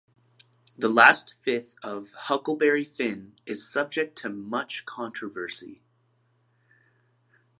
The last fifth of "Huckleberry Finn" is subject to much controversy.